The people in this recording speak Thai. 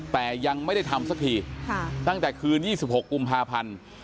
แต่ยังไม่ได้ทำสักทีตั้งแต่คืน๒๖กุมภาพันธ์